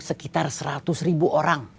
sekitar seratus ribu orang